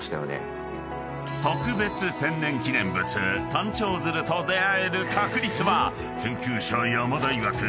［特別天然記念物タンチョウヅルと出会える確率は研究者山田いわく